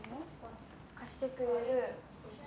貸してくれる。